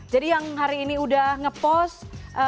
jadi yang hari ini udah ngepost